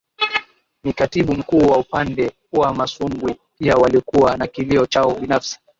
ni Katibu Mkuu wa Upande wa masumbwi pia walikuwa na kilio chao Binafsi